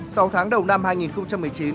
sau tháng đầu năm hai nghìn một mươi chín